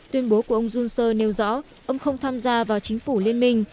tuyên bố của ông johnser nêu rõ ông không tham gia vào chính phủ liên minh